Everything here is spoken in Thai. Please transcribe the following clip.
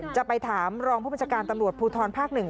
จะไปถามรองผู้บัญชาการตำรวจภูทรภาค๑